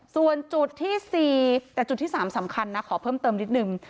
ส่วนจุดที่๔แต่จุดที่๓สำคัญนะขอเพิ่มเติมนิดนึง